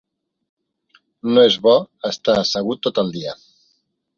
No és bo estar assegut tot el dia.